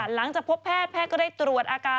หลังจากพบแพทย์แพทย์ก็ได้ตรวจอาการ